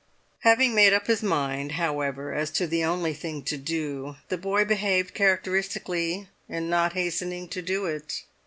Having made up his mind, however, as to the only thing to do, the boy behaved characteristically in not hastening to do it.